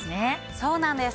そうなんです。